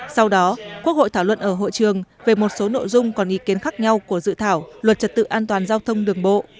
sau đó quốc hội thảo luận ở hội trường về một số nội dung còn ý kiến khác nhau của dự thảo luật trật tự an toàn giao thông đường bộ